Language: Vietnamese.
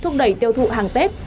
thúc đẩy tiêu thụ hàng tết